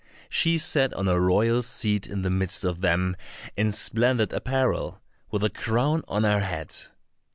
She sat on a royal seat in the midst of them in splendid apparel, with a crown on her head.